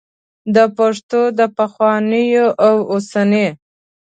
د پښتو د پخواني او اوسني